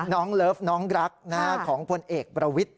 เลิฟน้องรักของพลเอกประวิทธิ